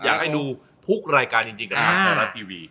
อยากให้ดูทุกรายการจริงกับทางไทยรัฐทีวี